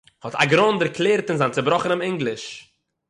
האט אגראן דערקלערט אין זיין צעבראכענעם ענגליש